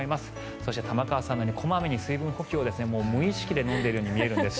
そして、玉川さんのように小まめに水分補給を無意識で飲んでいるように見えるんですが。